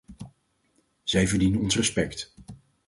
Zij verdienen ons respect.